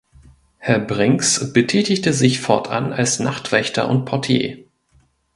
Herr Brings betätigte sich fortan als Nachtwächter und Portier.